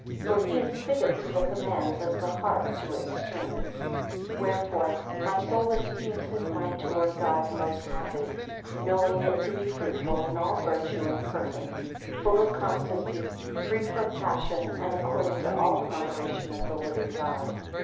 For he is fitted to the commands, as the harp to its strings. 4 Wherefore my soul esteems his mind towards God most happy, knowing it to be fruitful in all virtue, and perfect; full of constancy, free from passion, and according to all the moderation of the living God.